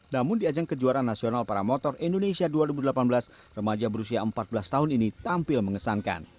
namun di ajang kejuaraan nasional para motor indonesia dua ribu delapan belas remaja berusia empat belas tahun ini tampil mengesankan